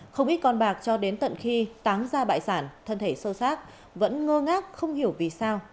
không ít con bạc cho đến tận khi tán ra bại sản thân thể sơ sát vẫn ngơ ngác không hiểu vì sao